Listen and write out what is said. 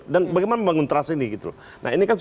dan bagaimana membangun trus ini nah ini kan